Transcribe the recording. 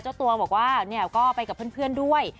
เจ้าตัวบอกว่าเนี่ยก็ไปกับเพื่อนด้วย